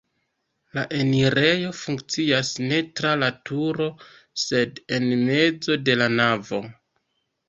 La enirejo funkcias ne tra la turo, sed en mezo de la navo.